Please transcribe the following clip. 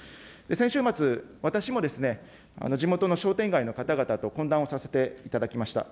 先週末、私も地元の商店街の方々と懇談をさせていただきました。